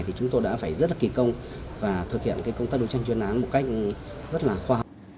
thì chúng tôi đã phải rất là kỳ công và thực hiện công tác đấu tranh chuyên án một cách rất là khoa học